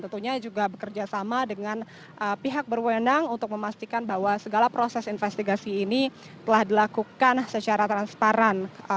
tentunya juga bekerja sama dengan pihak berwenang untuk memastikan bahwa segala proses investigasi ini telah dilakukan secara transparan